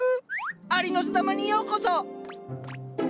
アリノスダマにようこそ！